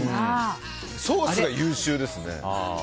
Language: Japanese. ソースが優秀ですね。